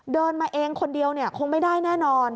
เดินมาเองคนเดียวคงไม่ได้แน่นอน